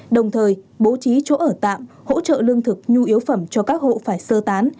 đồng thời bố trí chỗ ở tạm hỗ trợ lương thực nhu yếu phẩm cho các hộ phải sơ tán